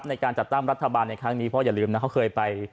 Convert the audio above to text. ในการจัดตั้งรัฐบาลในครั้งนี้เพราะอย่าลืมนะเขาเคยไป